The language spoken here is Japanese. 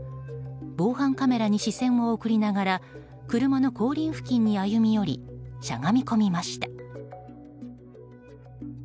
防犯カメラに視線を送りながら車の後輪付近に歩み寄りしゃがみ込みました。